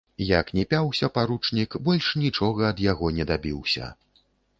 Як ні пяўся паручнік, больш нічога ад яго не дабіўся.